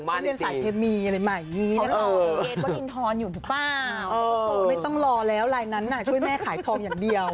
ไม่ต้องรอแล้วไลน์นั้นน่ะช่วยแม่ขายทองอย่างเดียว